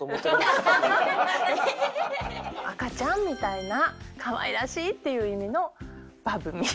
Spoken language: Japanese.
赤ちゃんみたいなかわいらしいっていう意味の「バブみ」。